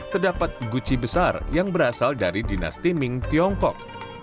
terdapat guci besar yang berasal dari dinasti ming tiongkok